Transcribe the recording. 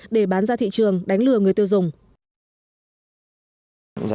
để bán ra thị trường đánh lừa người tiêu dùng